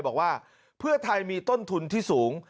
บอกว่าเพื่อไทยมีต้นทุนที่สูง